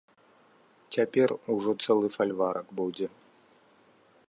Цяпер ужо цэлы фальварак будзе.